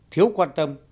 thiếu quan tâm